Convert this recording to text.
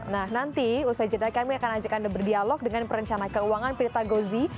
nah nanti usai jeda kami akan ajak anda berdialog dengan perencana keuangan prita gozi